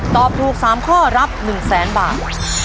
ตอบถูก๓ข้อรับ๑๐๐๐๐๐บาท